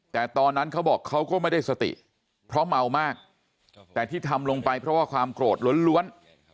แต่ตอนนั้นเขาบอกเขาก็ไม่ได้สติเพราะเมามากแต่ที่ทำลงไปเพราะว่าความโกรธล้วน